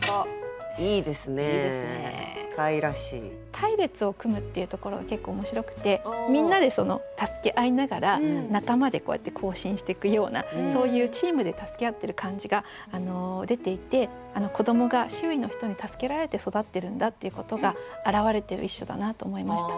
「隊列を組む」っていうところが結構面白くてみんなで助け合いながら仲間でこうやって行進してくようなそういうチームで助け合ってる感じが出ていて子どもが周囲の人に助けられて育ってるんだっていうことが表れてる一首だなと思いました。